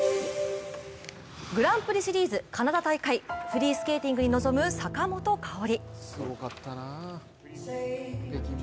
グランプリシリーズフリースケーティングに臨む坂本花織。